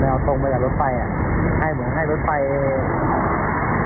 แนวตรงไปจากรถไฟอะ